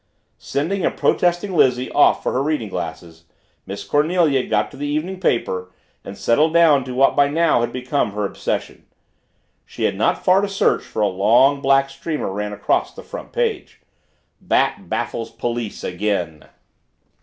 Sending a protesting Lizzie off for her reading glasses, Miss Cornelia got the evening paper and settled down to what by now had become her obsession. She had not far to search for a long black streamer ran across the front page "Bat Baffles Police Again."